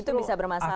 itu bisa bermasalah